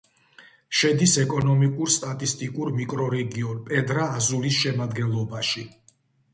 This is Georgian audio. შედის ეკონომიკურ-სტატისტიკურ მიკრორეგიონ პედრა-აზულის შემადგენლობაში.